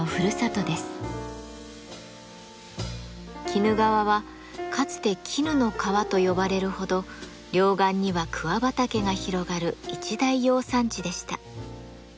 鬼怒川はかつて絹の川と呼ばれるほど両岸には桑畑が広がる一大養蚕地でした。